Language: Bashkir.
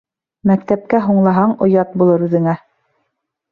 Мәктәпкә һуңлаһаң, оят булыр үҙеңә.